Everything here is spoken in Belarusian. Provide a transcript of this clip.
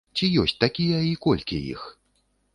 Ці ёсць такія і колькі іх?